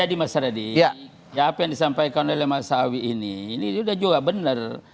jadi mas raditya jawab yang disampaikan oleh mas sawi ini ini sudah juga benar